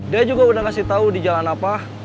dia juga udah ngasih tau di jalan apa